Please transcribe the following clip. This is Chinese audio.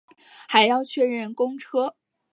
还要确认公车